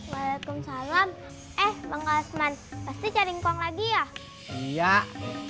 waalaikumsalam eh bang osman pasti jaringkong lagi ya iya kan tadi udah kesini ada tunggong